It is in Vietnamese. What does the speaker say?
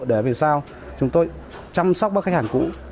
để làm sao chúng tôi chăm sóc các khách hàng cũ